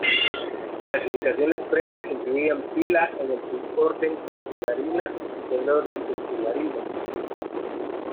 Clasificaciones previas incluían "Pila" en el suborden Textulariina del orden Textulariida.